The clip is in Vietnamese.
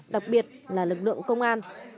đặc biệt là lực lượng công an